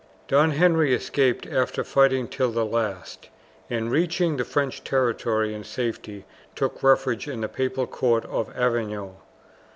Don Henry escaped after fighting till the last, and reaching the French territory in safety took refuge in the Papal court of Avignon.